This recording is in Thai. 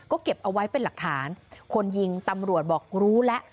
ก็เก็บเอาไว้เป็นหลักฐานคนยิงตำรวจบอกรู้แล้ว